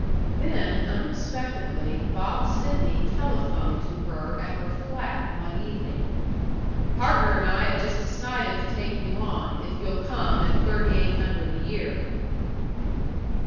Then, unexpectedly, Bob Sidney telephoned to her at her flat one evening: "Partner and I have just decided to take you on, if you'll come at thirty eight hundred a year."